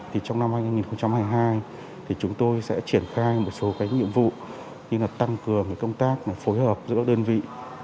trong năm hai nghìn hai mươi hai chúng tôi sẽ triển khai một số nhiệm vụ tăng cường công tác phối hợp giữa đơn vị